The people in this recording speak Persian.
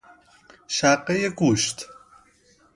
شقه گوشت